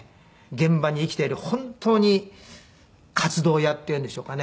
現場に生きている本当に活動屋っていうんでしょうかね。